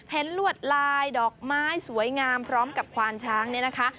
ลวดลายดอกไม้สวยงามพร้อมกับควานช้างเนี่ยนะคะ